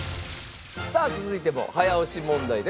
さあ続いても早押し問題です。